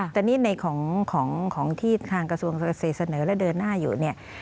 แต่นี่ในของที่ทางกระทรวงเกษตรเสนอและเดินหน้าอยู่เนี่ย